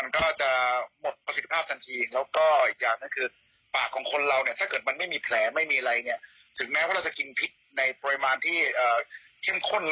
เรียกว่าทำการทดลองกันอยู่ในการดูแลของผู้เชี่ยวชาญ